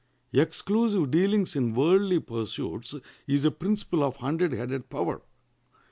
Exclusive dealings in worldly pursuits is a principle of hundred headed power.